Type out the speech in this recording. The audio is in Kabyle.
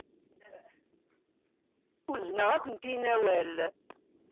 Uzneɣ-akent-in awal.